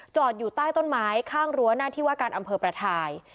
อยู่ใต้ต้นไม้ข้างรั้วหน้าที่ว่าการอำเภอประทาย